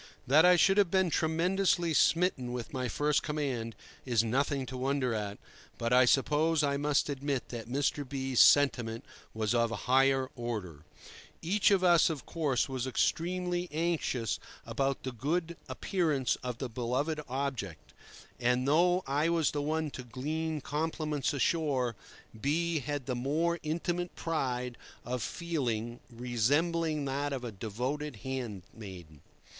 That I should have been tremendously smitten with my first command is nothing to wonder at, but I suppose I must admit that Mr. B—'s sentiment was of a higher order. Each of us, of course, was extremely anxious about the good appearance of the beloved object; and, though I was the one to glean compliments ashore, B— had the more intimate pride of feeling, resembling that of a devoted handmaiden.